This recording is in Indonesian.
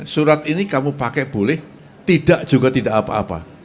surat ini kamu pakai boleh tidak juga tidak apa apa